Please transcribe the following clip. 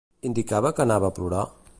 Indicava que anava a plorar?